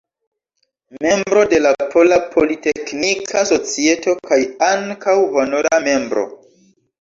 Membro de la Pola Politeknika Societo kaj ankaŭ honora membro.